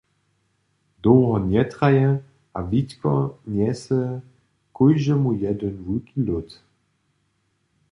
Dołho njetraje a Witko njese kóždemu jedyn wulki lód.